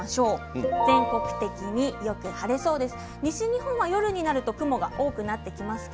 全国的によく晴れそうです。